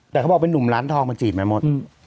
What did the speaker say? แต่เขาว่าเป็นหนุ่มล้านทองมันฉีดมาหมด